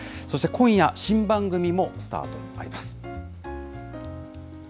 そして今夜、新番組もスタートになります。